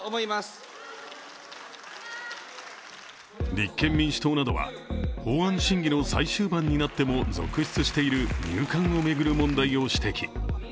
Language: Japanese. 立憲民主党などは法案審議の最終盤になっても続出している入管を巡る問題を指摘。